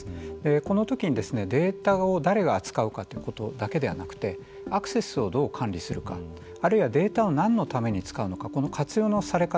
このときにデータを誰が扱うかということだけではなくてアクセスをどう管理するかあるいはデータを何のために使うのかこの活用のされ方